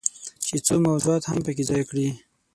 چې څو موضوعات هم پکې ځای کړي.